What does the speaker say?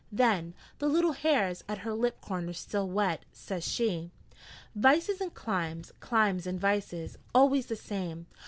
Then, the little hairs at her lip corners still wet, says she: 'Vices and climes, climes and vices. Always the same.